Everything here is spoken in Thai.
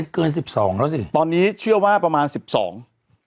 ก็ตอนนี้เชื่อว่าประมาณสิบสอง